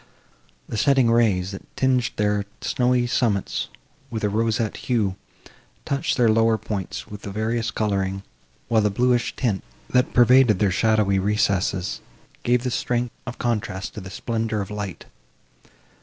The setting rays, that tinged their snowy summits with a roseate hue, touched their lower points with various colouring, while the bluish tint, that pervaded their shadowy recesses, gave the strength of contrast to the splendour of light.